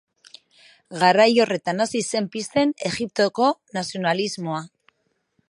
Garai horretan hasi zen pizten Egiptoko nazionalismoa.